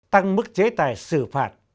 tăng mức chế tài xử phạt